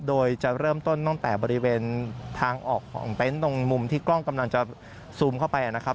โดยจะเริ่มต้นตั้งแต่บริเวณทางออกของเต็นต์ตรงมุมที่กล้องกำลังจะซูมเข้าไปนะครับ